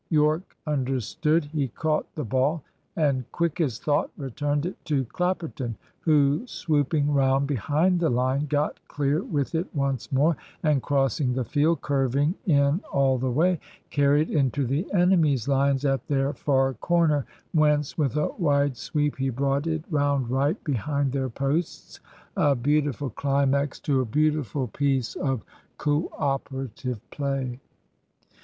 Yorke understood. He caught the ball, and quick as thought, returned it to Clapperton, who, swooping round behind the line, got clear with it once more, and crossing the field, curving in all the way, carried into the enemy's lines at their far corner, whence with a wide sweep he brought it round right behind their posts, a beautiful climax to a beautiful piece of co operative play.